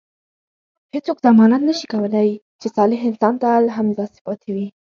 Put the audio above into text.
هیڅوک ضمانت نه شي کولای چې صالح انسان تل همداسې پاتې شي.